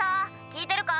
聞いてるか？